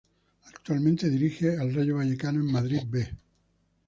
Actualmente dirige al Rayo Vallecano de Madrid "B".